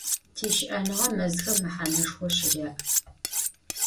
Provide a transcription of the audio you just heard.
Tişı'enığe mezxem mehaneşşxo şırya'.